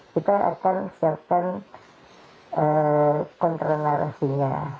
kita akan siapkan kontra narasinya